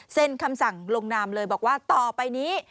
คำสั่งลงนามเลยบอกว่าต่อไปนี้